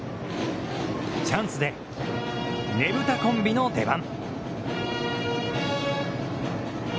チャンスで、ねぶたコンビの出番。